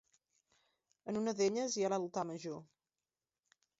En una d'elles hi ha l'altar major.